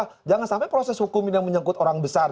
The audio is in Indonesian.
karena sampai proses hukum ini yang menyangkut orang besar